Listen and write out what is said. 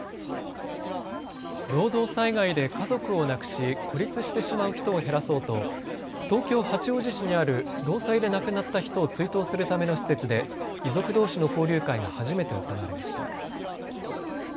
労働災害で家族を亡くし孤立してしまう人を減らそうと東京八王子市にある労災で亡くなった人を追悼するための施設で遺族どうしの交流会が初めて行われました。